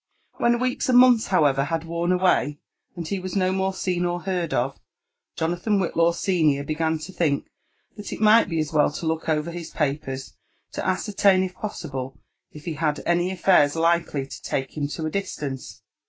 When weeks and months, however, had worn away, and he was no more seen or heard of, Jonathan Whitlaw senior began to think that it might be as well to look over his papers, to ascertain if possible if be had any affairs likely to take him to a distance.